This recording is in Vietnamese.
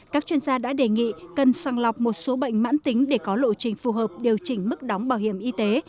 các chuyên gia đã đề nghị cần sàng lọc một số bệnh mãn tính để có lộ trình phù hợp điều chỉnh mức đóng bảo hiểm y tế